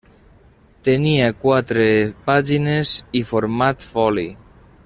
Tenia quatre pàgines i format foli.